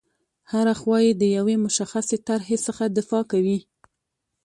هره خوا یې د یوې مشخصې طرحې څخه دفاع کوي.